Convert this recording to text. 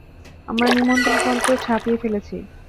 আমরা নিমন্ত্রণপত্র ছাপিয়ে ফেলেছি।